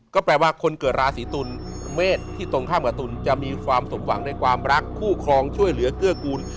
ก็แปลว่าคนเกิดราศีตุลเมษที่ตรงข้ามกับตุลจะมีความสมหวังในความรักคู่ครองช่วยเหลือเกื้อกูล